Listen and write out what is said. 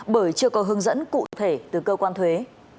bởi chưa có hướng dẫn cụ thể từ cơ quan thuế